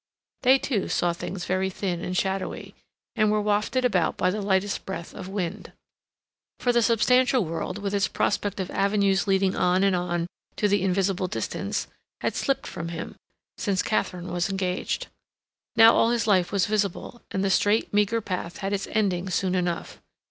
They, too, saw things very thin and shadowy, and were wafted about by the lightest breath of wind. For the substantial world, with its prospect of avenues leading on and on to the invisible distance, had slipped from him, since Katharine was engaged. Now all his life was visible, and the straight, meager path had its ending soon enough.